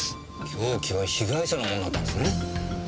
凶器は被害者の物だったんですね。